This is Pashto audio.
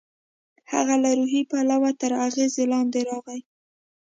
هغه له روحي پلوه تر اغېز لاندې راغی.